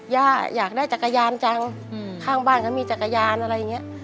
อยากได้จักรยานจังข้างบ้านเขามีจักรยานอะไรอย่างเงี้ย